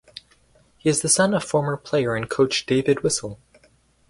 He is the son of former player and coach David Whistle.